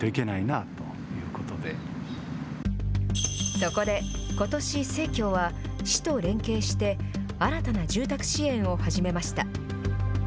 そこで、ことし、生協は市と連携して、新たな住宅支援を始めました。